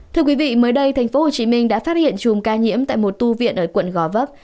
thưa quý vị mới đây tp hcm đã phát hiện chùm ca nhiễm tại một tu viện ở quận gò vấp